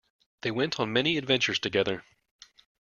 They went on many adventures together.